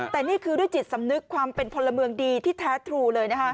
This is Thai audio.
แต่นี่คือด้วยจิตสำนึกความเป็นพลเมืองดีที่แท้ทรูเลยนะคะ